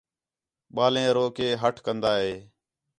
ٻالیں رو کے ہَٹ کندا ہے